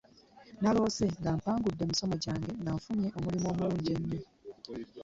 Naloose nga mpangudde emisomo gyange nganfunye omulimu omulungi ennyo.